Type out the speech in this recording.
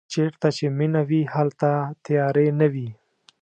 چېرته چې مینه وي هلته تیارې نه وي.